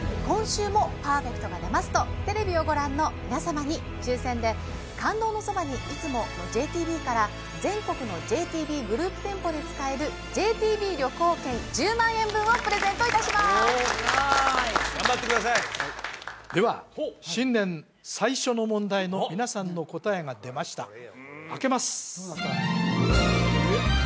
今週もパーフェクトが出ますとテレビをご覧の皆様に抽選で「感動のそばに、いつも。」のＪＴＢから全国のＪＴＢグループ店舗で使えるＪＴＢ旅行券１０万円分をプレゼントいたします頑張ってくださいでは新年最初の問題の皆さんの答えが出ました